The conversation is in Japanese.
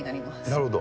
なるほど。